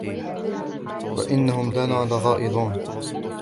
وإنهم لنا لغائظون